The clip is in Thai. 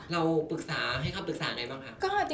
เราปรึกษาให้คำปรึกษาไงบ้างคะ